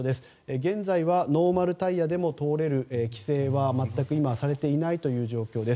現在はノーマルタイヤでも通れる規制は全く今はされていない状況です。